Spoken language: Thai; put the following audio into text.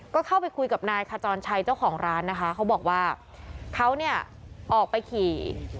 ก็เข้าไปคุยกับนายขจรชัยเจ้าของร้านนะคะเขาบอกว่าเขาเนี่ยออกไปขี่